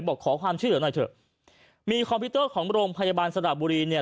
บอกขอความช่วยเหลือหน่อยเถอะมีคอมพิวเตอร์ของโรงพยาบาลสระบุรีเนี่ย